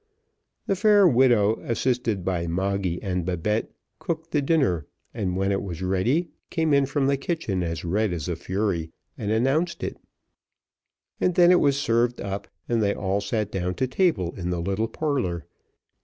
The fair widow, assisted by Moggy and Babette, cooked the dinner, and when it was ready came in from the kitchen as red as a fury and announced it: and then it was served up, and they all sat down to table in the little parlour.